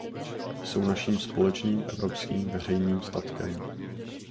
Jsou naším společným evropským veřejným statkem.